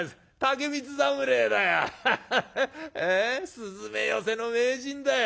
すずめ寄せの名人だよ。